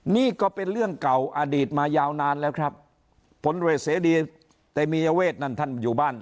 นี่ก็เป็นเรื่องเก่าอดีตมายาวนานแล้วครับผลเวทเสดีเตมียเวทนั่นท่านอยู่บ้าน